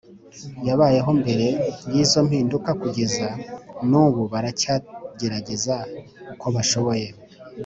yabayeho mbere y izo mpinduka kugeza nubu baracyagerageza uko bashoboye